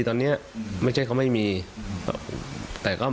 ใช่ซีรีย์เค้าก็มีเค้าก็มี